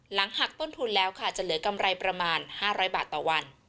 หลังหักต้นทุนแล้วค่ะจะเหลือกำไรประมาณ๕๐๐บาทต่อวัน